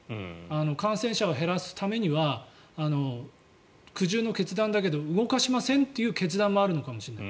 感染者を減らすためには苦渋の決断だけど動かしませんという決断もあるのかもしれない。